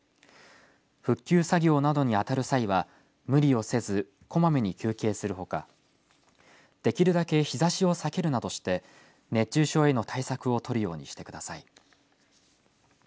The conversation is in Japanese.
復旧作業などに当たる際は無理をせずこまめに休憩するほかできるだけ日ざしを避けるなどして熱中症への対策をとるようにしてください。